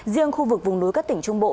riêng khu vực vùng nối các tỉnh trung bộ